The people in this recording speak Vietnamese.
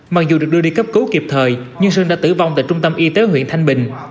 mặc dù được đưa đi cấp cứu kịp thời nhưng sơn đã tử vong tại trung tâm y tế huyện thanh bình